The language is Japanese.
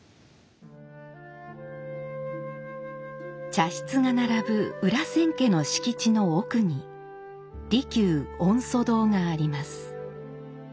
茶室が並ぶ裏千家の敷地の奥に利休御祖堂があります。